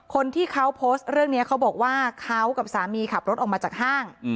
คนที่เขาโพสต์เรื่องนี้เขาบอกว่าเขากับสามีขับรถออกมาจากห้าง